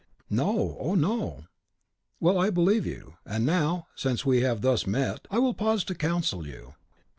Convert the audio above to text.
"No; oh, no!" "Well, I believe you. And now, since we have thus met, I will pause to counsel you.